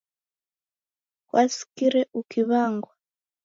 Kwasikire ukiw'angwa?